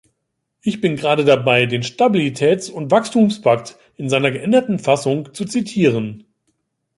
Ich bin gerade dabei, den Stabilitäts- und Wachstumspakt in seiner geänderten Fassung zu zitieren.